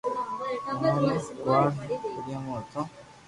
اووہ رو گوزارو پينيا مون ھوتو